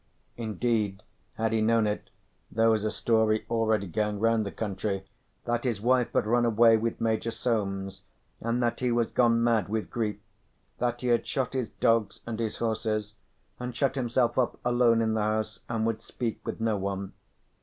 Indeed, had he known it, there was a story already going round the country that his wife had run away with Major Solmes, and that he was gone mad with grief, that he had shot his dogs and his horses and shut himself up alone in the house and would speak with no one.